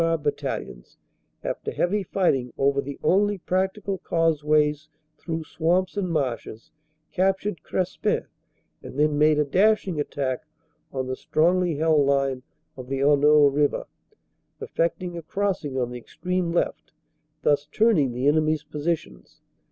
R. Battalions, after heavy fighting over the only practical causeways through swamps and marshes, captured Crespin and then made a dash ing attack on the strongly held line of the Honneau river, effecting a crossing on the extreme left, thus turning the enemy s positions.